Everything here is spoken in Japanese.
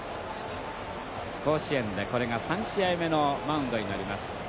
甲子園でこれが３試合目のマウンドになります。